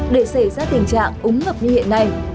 để xảy ra tình trạng ống ngập như hiện nay